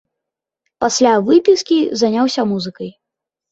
Пасля выпіскі заняўся музыкай.